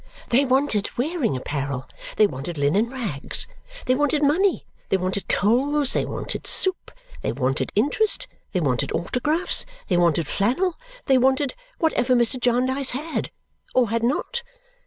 They wanted wearing apparel, they wanted linen rags, they wanted money, they wanted coals, they wanted soup, they wanted interest, they wanted autographs, they wanted flannel, they wanted whatever Mr. Jarndyce had or had not.